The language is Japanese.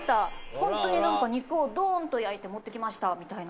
ホントになんか「肉をドーンと焼いて持ってきました」みたいな。